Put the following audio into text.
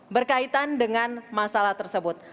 berkaitan dengan masalah tersebut